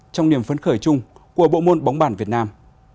trong niềm phấn khởi chung của bộ môn bóng bàn việt nam